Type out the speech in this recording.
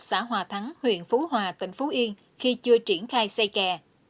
xã hòa thắng huyện phú hòa tỉnh phú yên khi chưa triển khai xây kè